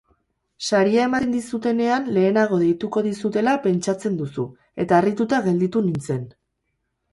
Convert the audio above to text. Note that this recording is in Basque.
Saria ematen dizutenean lehenago deituko dizutela pentsatzen duzu, eta harrituta gelditu nintzen.